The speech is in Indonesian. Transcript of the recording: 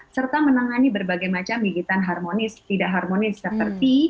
serta menangani berbagai macam gigitan harmonis tidak harmonis seperti